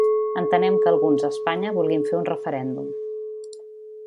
Entenem que alguns a Espanya vulguin fer un referèndum.